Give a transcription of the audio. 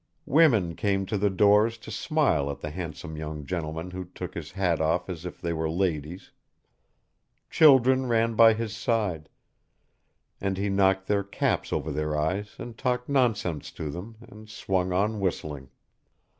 Women came to the doors to smile at the handsome young gentleman who took his hat off as if they were ladies; children ran by his side, and he knocked their caps over their eyes and talked nonsense to them, and swung on whistling.